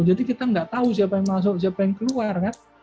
jadi kita nggak tahu siapa yang masuk siapa yang keluar kan